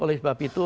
oleh sebab itu